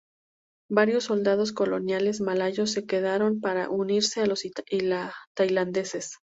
Varios soldados coloniales malayos se quedaron para unirse a los tailandeses.